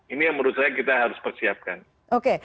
ini yang menurut saya kita harus persiapkan